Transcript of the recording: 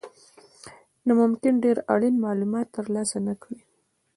نو ممکن ډېر اړین مالومات ترلاسه نه کړئ.